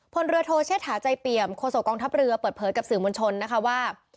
พลเรือโทเชษฐาใจเปี่ยมโคโสกองทัพเรือเปิดเผยกับสื่อมวลชนนะคะว่า